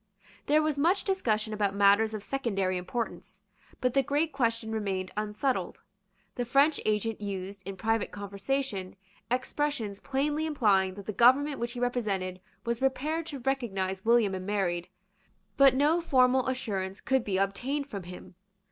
There was much discussion about matters of secondary importance; but the great question remained unsettled. The French agent used, in private conversation, expressions plainly implying that the government which he represented was prepared to recognise William and Mary; but no formal assurance could be obtained from him.